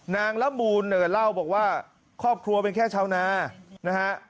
นางละมูลเนื้อเล่าบอกว่าครอบครัวเป็นแค่เช้านานะฮะ